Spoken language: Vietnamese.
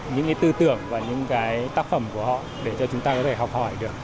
những tư tưởng và những tác phẩm của họ để cho chúng ta có thể học hỏi được